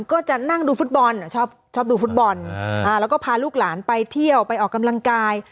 ก็จะนั่งดูฟุตบอลชอบดูฟุตบอลแล้วก็พาลูกหลานไปเที่ยวไปออกกำลังกาย